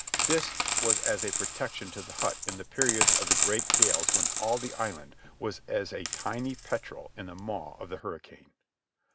This was as a protection to the hut in the periods of the great gales when all the island was as a tiny petrel in the maw of the hurricane.